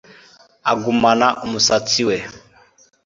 Agumana umusatsi we